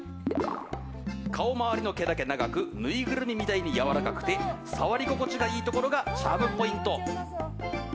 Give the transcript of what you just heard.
顔回りの毛だけ長くぬいぐるみみたいにやわらかくて触り心地がいいところがチャームポイント。